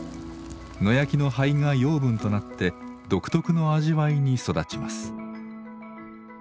野焼きの灰が養分となって独特の味わいに育ちます。